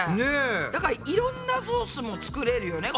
だからいろんなソースも作れるよね